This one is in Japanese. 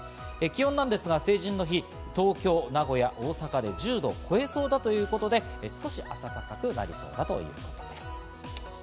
気温ですが成人の日、東京、名古屋、大阪で１０度を超えそうだということで少し暖かくなりそうだということです。